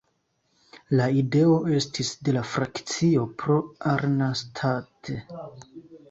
La ideo estis de la frakcio "Pro Arnstadt".